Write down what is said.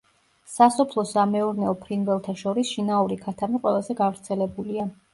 სასოფლო-სამეურნეო ფრინველთა შორის შინაური ქათამი ყველაზე გავრცელებულია.